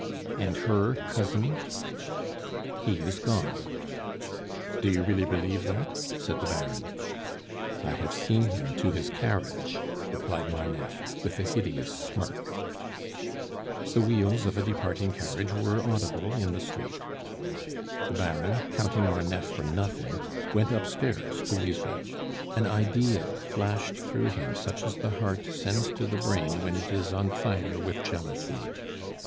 "And her cousin?" "He is gone." "Do you really believe that?" said the Baron. "I have seen him to his carriage," replied Marneffe, with a hideous smirk. The wheels of a departing carriage were audible in the street. The Baron, counting Marneffe for nothing, went upstairs to Lisbeth. An idea flashed through him such as the heart sends to the brain when it is on fire with jealousy.